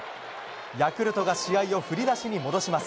ヤクルトが試合を振り出しに戻します。